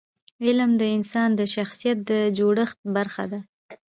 علم د انسان د شخصیت د جوړښت برخه ده.